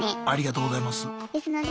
ありがとうございます。